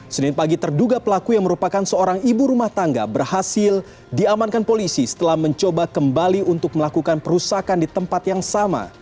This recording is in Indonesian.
senin pagi terduga pelaku yang merupakan seorang ibu rumah tangga berhasil diamankan polisi setelah mencoba kembali untuk melakukan perusakan di tempat yang sama